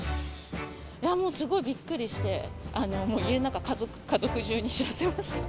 もうすごいびっくりして、もう家の中、家族中に知らせました。